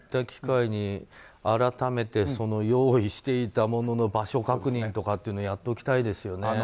こういった機会に改めて用意していたものの場所の確認というのをやっておきたいですよね。